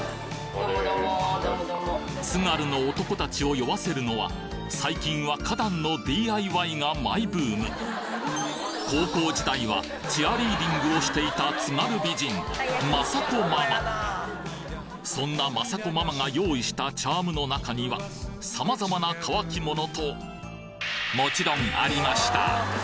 津軽の男たちを酔わせるのは最近は花壇のＤＩＹがマイブーム高校時代はチアリーディングをしていた津軽美人雅子ママそんな雅子ママが用意したチャームの中には様々な乾き物ともちろんありました！